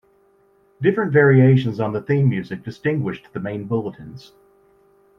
Different variations on the theme music distinguished the main bulletins.